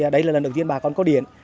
đấy là lần đầu tiên bà con có điện